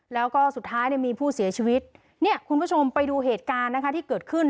แล้วก็สุดท้ายเนี่ยมีผู้เสียชีวิตเนี่ยคุณผู้ชมไปดูเหตุการณ์นะคะที่เกิดขึ้น